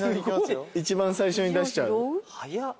一番最初に出しちゃう？